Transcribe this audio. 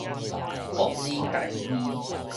駁二大義